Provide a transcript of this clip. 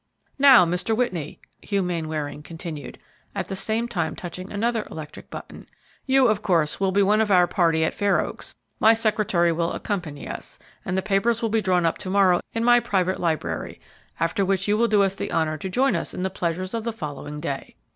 "Now, Mr. Whitney," Hugh Mainwaring continued, at the same time touching another electric button, "you, of course, will be one of our party at Fair Oaks; my secretary will accompany us, and the papers will be drawn up to morrow in my private library, after which you will do us the honor to join us in the pleasures of the following day."